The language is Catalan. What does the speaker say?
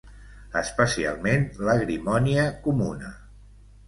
Especialment l'agrimònia comuna.